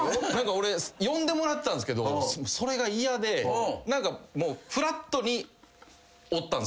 俺呼んでもらってたんですけどそれが嫌でフラットにおったんですよいつもどおり。